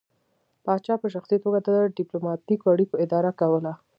پاچا په شخصي توګه د ډیپلوماتیکو اړیکو اداره کوله